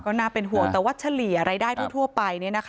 ก็น่าเป็นห่วงแต่ว่าเฉลี่ยรายได้ทั่วไป